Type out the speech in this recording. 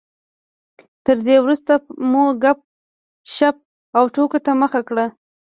تر دې وروسته مو ګپ شپ او ټوکو ته مخه کړه.